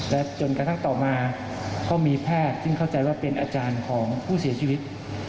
และจนกระทั่งต่อมาก็มีแพทย์ซึ่งเข้าใจว่าเป็นอาจารย์ของผู้เสียชีวิต